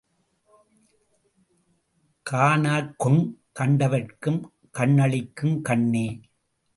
காணார்க்குங் கண்டவர்க்கும் கண்ணளிக்கும் கண்ணே!